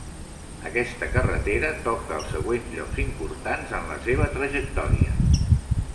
Aquesta carretera toca els següents llocs importants en la seva trajectòria.